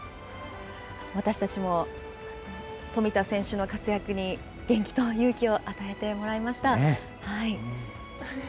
私たちも冨田選手の活躍に元気と勇気を与えてもらいました。